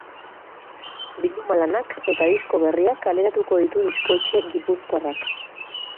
Bilduma-lanak eta disko berriak kaleratuko ditu diskoetxe gipuzkoarrak.